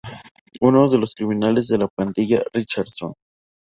Uno de los criminales de la pandilla Richardson.